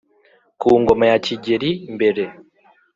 ku ngoma ya kigeri mbere